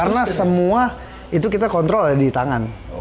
karena semua itu kita kontrol ada di tangan